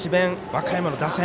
和歌山の打線